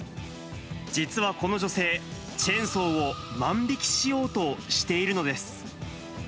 実はこの女性、チェーンソーを万引きしようとしているのです。